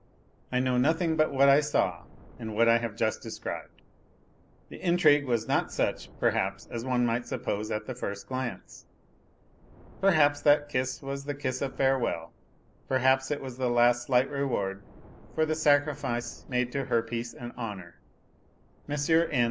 I know nothing but what I saw and what I have just described. The intrgiue was not such, perhaps, as one might suppose at the first glance. Perhaps that kiss was the of farewell, perhaps it was the last slight reward for the sacrifice made to her peace and honour. N.